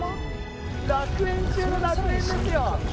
楽園中の楽園ですよ。